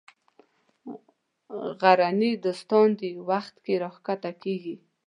غرني دوستان دې وخت کې راکښته کېږي.